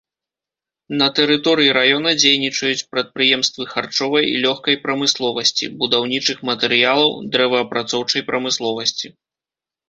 На тэрыторыі раёна дзейнічаюць прадпрыемствы харчовай і лёгкай прамысловасці, будаўнічых матэрыялаў, дрэваапрацоўчай прамысловасці.